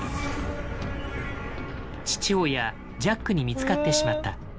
父親・ジャックに見つかってしまった。